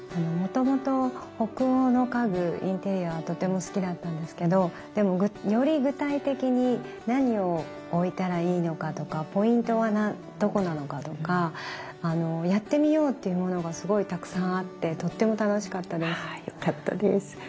もともと北欧の家具インテリアはとても好きだったんですけどでもより具体的に何を置いたらいいのかとかポイントはどこなのかとかやってみようっていうものがすごいたくさんあってとっても楽しかったです。